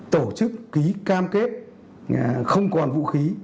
đồng chí cam kết không còn vũ khí